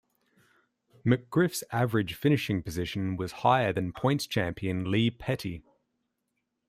McGriff's average finishing position was higher than points champion Lee Petty.